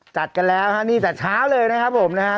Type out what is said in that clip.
จัดกันแล้วครับนี่จัดเช้าเลยนะครับผมนะครับ